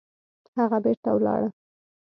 هغه بېرته ولاړه